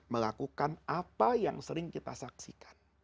melakukan apa yang sering kita saksikan